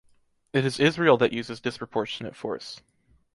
It is Israel that uses disproportionate force.